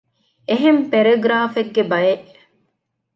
އެހެން ޕެރެގުރާފެއްގެ ބައެއް